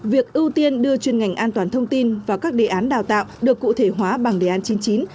việc ưu tiên đưa chuyên ngành an toàn thông tin vào các đề án đào tạo được cụ thể hóa bằng đề án chín mươi chín